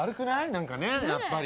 何かねやっぱり。